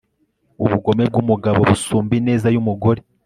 ubugome bw'umugabo busumba ineza y'umugore